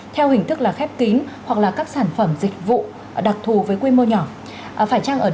theo hình thức là khép kín hoặc là các sản phẩm dịch vụ đặc thù với quy mô nhỏ